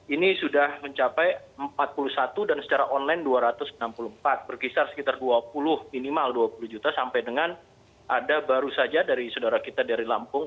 ini sudah mencapai empat puluh satu dan secara online dua ratus enam puluh empat berkisar sekitar dua puluh minimal dua puluh juta sampai dengan ada baru saja dari saudara kita dari lampung